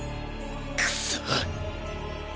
クソ！